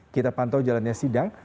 kita pantau jalannya sidang